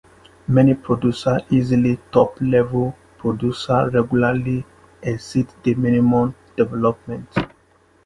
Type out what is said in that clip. Many producers, especially top-level producers, regularly exceed the minimum requirements.